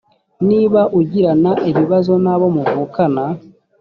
niba ugirana ibibazo n abo muvukana